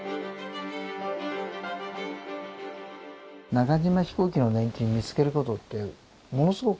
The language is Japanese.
中島飛行機の年金を見つけることってものすごく多いんですよ。